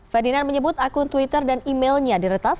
ferdinand menyebut akun twitter dan emailnya diretas